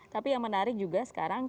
tapi yang menarik juga sekarang